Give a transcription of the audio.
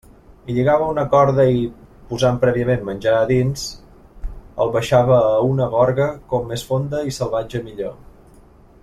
Hi lligava una corda i, posant prèviament menjar a dins, el baixava a una gorga com més fonda i salvatge millor.